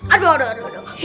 aduh aduh aduh